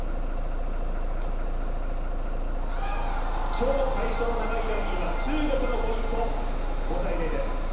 今日、最初の長いラリーは中国のポイント、５−０です。